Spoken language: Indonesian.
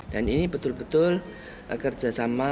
dan ini betul betul kerjasama